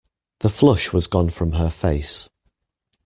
The flush was gone from her face.